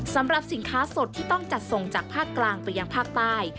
สำหรับสินค้าสดที่ต้องจัดส่งจากภาคกลางไปยังภาคใต้